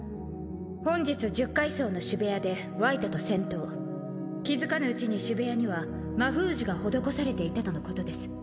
本日十階層の主部屋でワイトと戦闘気づかぬうちに主部屋には魔封じが施されていたとのことです